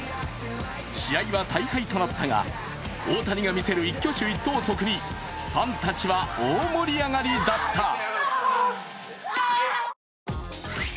試合は大敗となったが大谷が見せる一挙手一投足にファンたちは大盛り上がりだった。